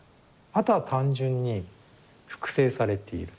あとは単純に複製されている。